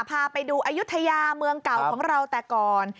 พาไปดูอายุทยาเมืองเก่าของเราแต่ก่อน